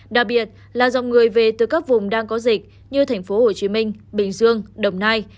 đặc biệt là dòng người về từ các vùng đang có dịch như thành phố hồ chí minh bình dương đồng nai